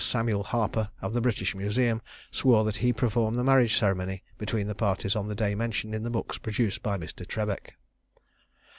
Samuel Harpur, of the British Museum, swore that he performed the marriage ceremony between the parties on the day mentioned in the books produced by Mr. Trebeck.